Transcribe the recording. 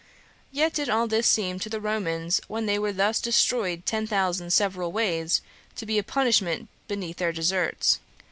Yet did all this seem to the Romans, when they were thus destroyed ten thousand several ways, to be a punishment beneath their deserts.